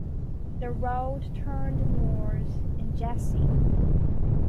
The road turned north in Jessie.